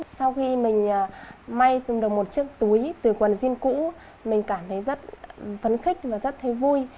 sau khi mình may tìm được một chiếc túi từ quần jean cũ mình cảm thấy rất phấn khích và rất thấy vui